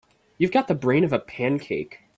You've got the brain of a pancake.